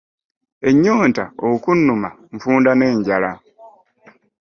Ennyonta okunnuma nfunda n'enjala.